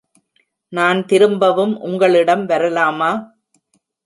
நான் திரும்பவும் உங்களிடம் வரலாமா?